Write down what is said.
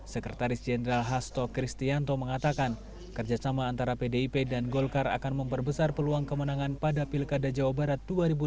sekretaris jenderal hasto kristianto mengatakan kerjasama antara pdip dan golkar akan memperbesar peluang kemenangan pada pilkada jawa barat dua ribu delapan belas